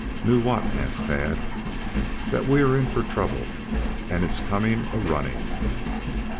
"Knew what?" asked Tad. "That we were in for trouble. And it's coming a running."